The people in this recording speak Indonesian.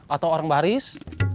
atau orang baris